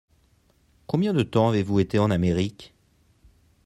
Combien de temps avez-vous été en Amérique ?